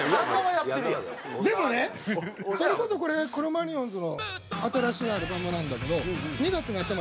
でもねそれこそこれクロマニヨンズの新しいアルバムなんだけど２月の頭に出た。